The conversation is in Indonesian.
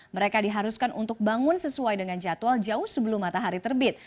mereka diharuskan untuk bangun sesuai dengan jadwal jauh sebelum matahari terbit